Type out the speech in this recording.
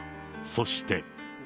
そして。